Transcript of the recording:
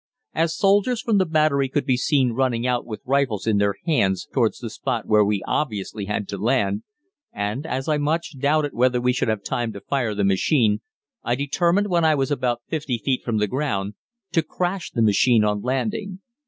As soldiers from the battery could be seen running out with rifles in their hands towards the spot where we obviously had to land, and as I much doubted whether we should have time to fire the machine, I determined when I was about 50 feet from the ground to crash the machine on landing.